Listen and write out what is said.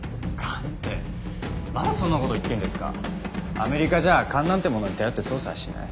アメリカじゃ勘なんてものに頼って捜査はしない。